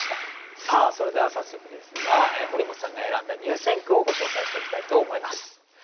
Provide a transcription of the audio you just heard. それでは早速ですが堀本さんが選んだ入選句をご紹介していきたいと思います。